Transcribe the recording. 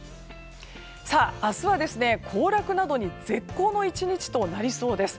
明日は行楽などに絶好の１日となりそうです。